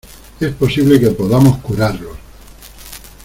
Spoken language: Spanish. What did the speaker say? es posible que podamos curarlos.